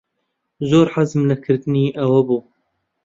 زۆر حەزم لە کردنی ئەوە بوو.